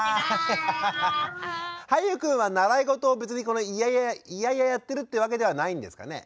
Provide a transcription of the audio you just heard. はゆくんは習いごとを別にイヤイヤやってるってわけではないんですかね？